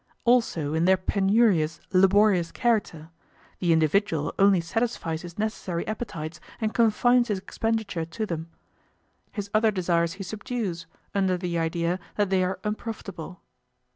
Also in their penurious, laborious character; the individual only satisfies his necessary appetites, and confines his expenditure to them; his other desires he subdues, under the idea that they are unprofitable.